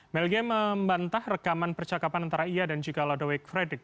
melgi membantah rekaman percakapan antara ia dan juga lodowik frederik